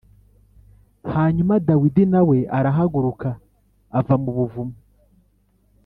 Hanyuma Dawidi na we arahaguruka ava mu buvumo